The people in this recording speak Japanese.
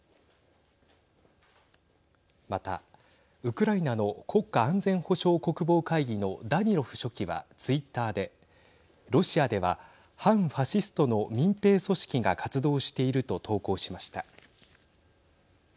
また、ウクライナの国家安全保障・国防会議のダニロフ書記はツイッターでロシアでは反ファシストの民兵組織が活動していると投稿しました。